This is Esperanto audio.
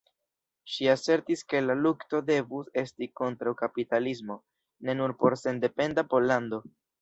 Ŝi asertis ke la lukto devus esti kontraŭ kapitalismo, ne nur por sendependa Pollando.